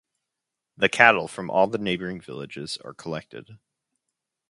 The cattle from all the neighboring villages are collected.